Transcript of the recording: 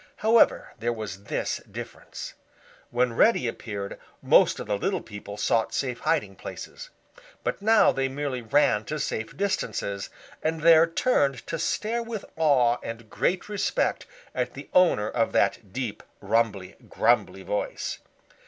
However, there was this difference: When Reddy appeared, most of the little people sought safe hiding places, but now they merely ran to safe distances, and there turned to stare with awe and great respect at the owner of that deep, rumbly, grumbly voice.